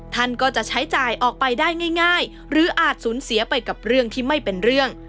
ท่านก็จะใช้จ่ายออกไปได้ง่ายหรืออาจสูญเสียไปกับเรื่องที่ไม่เป็นเรื่อง